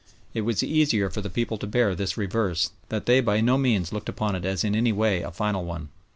It was the easier for the people to bear this reverse that they by no means looked upon it as in any way a final one.